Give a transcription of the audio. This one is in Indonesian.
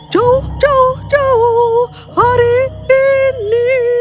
jauh jauh hari ini